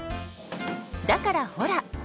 だからほら！